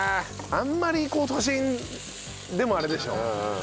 あんまりこう都心でもあれでしょ。